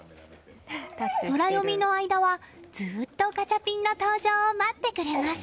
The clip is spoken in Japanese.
ソラよみの間はずっとガチャピンの登場を待ってくれます。